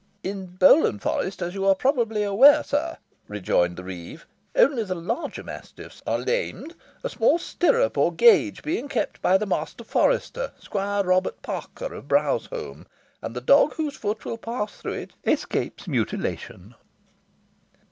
"In Bowland Forest, as you are probably aware, sir," rejoined the reeve, "only the larger mastiffs are lamed, a small stirrup or gauge being kept by the master forester, Squire Robert Parker of Browsholme, and the dog whose foot will pass through it escapes mutilation."